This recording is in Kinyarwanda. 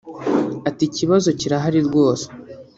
Ati “Ikibazo kirahari rwose